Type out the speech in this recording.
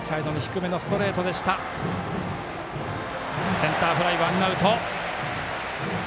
センターフライ、ワンアウト。